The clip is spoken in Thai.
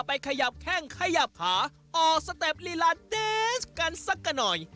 ขยับแข้งขยับขาออกสเต็ปลีลาแดนส์กันสักกันหน่อย